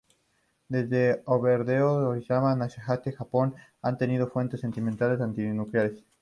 Desde el bombardeo de Hiroshima y Nagasaki, Japón ha tenido unos fuertes sentimientos antinucleares.